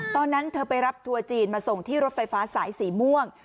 ตอนนั้นเธอไปรับทัวร์จีนมาส่งที่รถไฟฟ้าสายสีม่วง